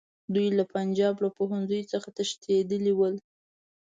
دوی له پنجاب له پوهنځیو څخه تښتېدلي ول.